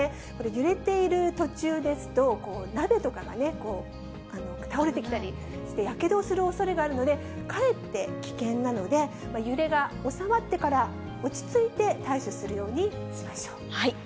揺れている途中ですと、鍋とかがね、倒れてきたりして、やけどをするおそれがあるので、かえって危険なので、揺れが収まってから落ち着いて対処するようにしましょう。